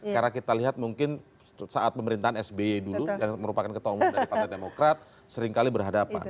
karena kita lihat mungkin saat pemerintahan sbe dulu yang merupakan ketonggol dari partai demokrat seringkali berhadapan